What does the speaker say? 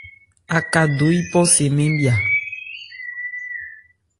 Aka do yípɔ se mɛ́n bhya.